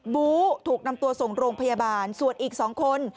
บูถูกนำตัวส่งโรงพยาบาลส่วนอีก๒คน